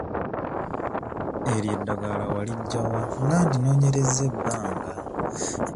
Eryo eddagala waliggya wa nga ndinoonyerezza ebbanga?